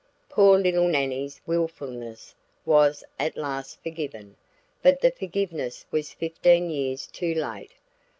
Poor little Nannie's wilfulness was at last forgiven, but the forgiveness was fifteen years too late.